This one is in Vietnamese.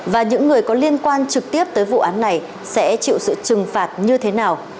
và những người có liên quan trực tiếp tới vụ án này sẽ chịu sự trừng phạt như thế nào